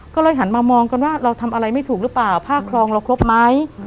ก็เลยหันมามองกันว่าเราทำอะไรไม่ถูกหรือเปล่าผ้าครองเราครบไหม